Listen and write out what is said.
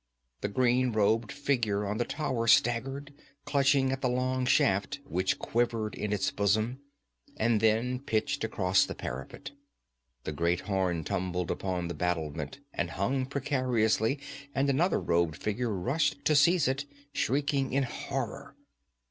The green robed figure on the tower staggered, clutching at the long shaft which quivered in its bosom, and then pitched across the parapet. The great horn tumbled upon the battlement and hung precariously, and another robed figure rushed to seize it, shrieking in horror.